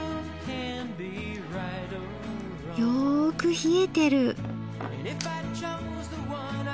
よく冷えてる。